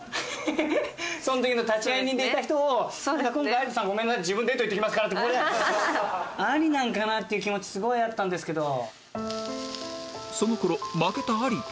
その時の立会人でいた人を「今回有田さんごめんなさい自分デート行ってきますから」ってこれありなのかな？っていう気持ちすごいあったんですけど。